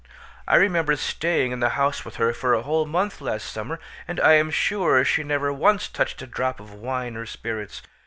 I remember staying in the house with her for a whole month last summer, and I am sure she never once touched a drop of wine or spirits.